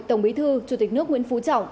tổng bí thư chủ tịch nước nguyễn phú trọng